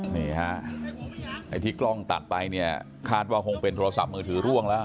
นี่ฮะไอ้ที่กล้องตัดไปเนี่ยคาดว่าคงเป็นโทรศัพท์มือถือร่วงแล้ว